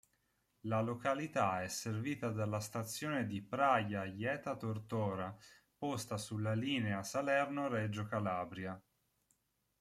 La località è servita dalla Stazione di Praja-Ajeta-Tortora, posta sulla linea Salerno-Reggio Calabria.